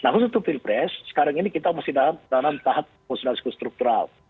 nah untuk itu pilpres sekarang ini kita masih dalam tahap konsolidasi konstruktural